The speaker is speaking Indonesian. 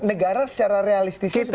negara secara realistis seperti apa pak sada